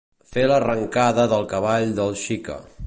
Fer l'arrencada del cavall del Xica.